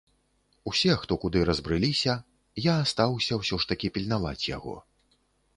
Усе хто куды разбрыліся, я астаўся ўсё ж такі пільнаваць яго.